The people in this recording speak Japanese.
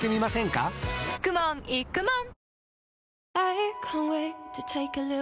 かくもんいくもん